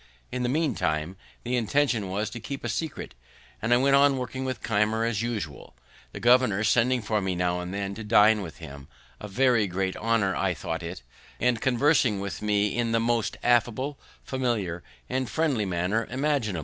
In the meantime the intention was to be kept a secret, and I went on working with Keimer as usual, the governor sending for me now and then to dine with him, a very great honour I thought it, and conversing with me in the most affable, familiar, and friendly manner imaginable.